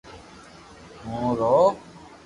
ھون رووُ